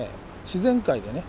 自然界でね